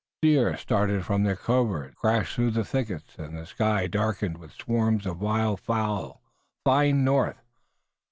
Deer started from their coverts, crashed through the thickets, and the sky darkened with the swarms of wild fowl flying north.